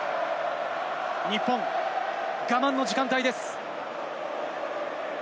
日本我慢の時間帯です。